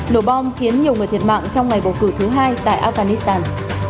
nổ bom khiến nhiều người thiệt mạng trong ngày bầu cử thứ hai tại afghanistan